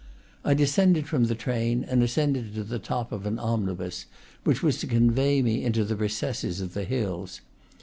I descended from the train, and ascended to the top of an omnibus which was to convey me into the re cesses of the hills.